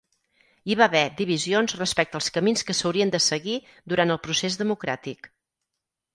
Hi va haver divisions respecte als camins que s'haurien de seguir durant el procés democràtic.